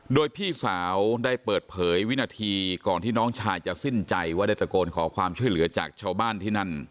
โดยพี่สาวได้เปิดเผยวินาทีก่อนที่น้องชายจะสิ้นใจว่าได้ตะโกนขอความช่วยเหลือจากชาวบ้านที่นั่น